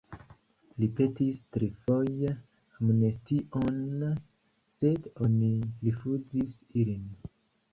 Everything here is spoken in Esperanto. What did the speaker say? Li petis trifoje amnestion, sed oni rifuzis ilin.